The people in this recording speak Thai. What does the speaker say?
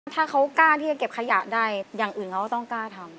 ถ้าเขากล้าที่จะเก็บขยะได้อย่างอื่นเขาก็ต้องกล้าทำ